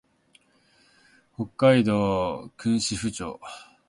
北海道訓子府町